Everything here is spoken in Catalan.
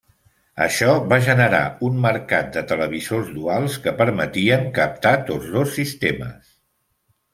Això va generar un mercat de televisors duals que permetien captar tots dos sistemes.